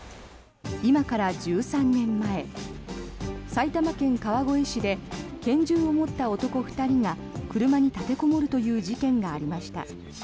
今から１３年前埼玉県川越市で拳銃を持った男２人が車に立てこもるという事件がありました。